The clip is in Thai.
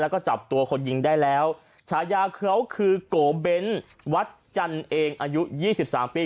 แล้วก็จับตัวคนยิงได้แล้วฉายาเขาคือโกเบ้นวัดจันเองอายุยี่สิบสามปี